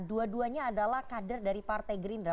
dua duanya adalah kader dari partai gerindra